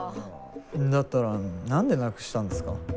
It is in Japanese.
だったら何でなくしたんですか？